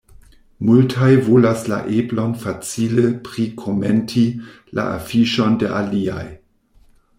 Multaj volas la eblon facile prikomenti la afiŝon de aliaj.